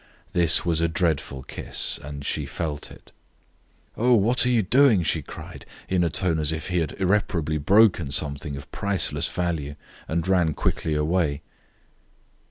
This was a dreadful kiss, and she felt it. "Oh, what are you doing?" she cried, in a tone as if he had irreparably broken something of priceless value, and ran quickly away.